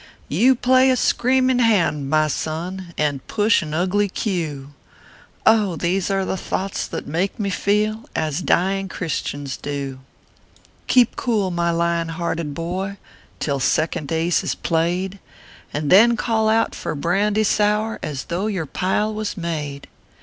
You play a screaming hand, my son, And push an ugly cue ; Oh ! these are thoughts that make me feel As dying Christians do! Keep cool, my lion hearted boy, Till second ace is played, And then call out for brandy sour As though your pile was made.